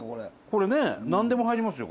これね何でも入りますよ。